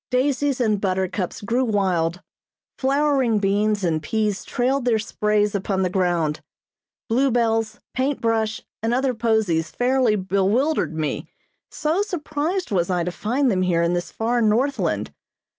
Daisies and buttercups grew wild. Flowering beans and peas trailed their sprays upon the ground. Blue bells, paint brush, and other posies fairly bewildered me, so surprised was I to find them here in this far Northland.